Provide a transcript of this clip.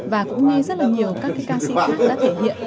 và cũng nghe rất là nhiều các ca sĩ khác đã thể hiện